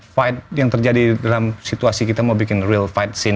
fight yang terjadi dalam situasi kita mau bikin real fight scene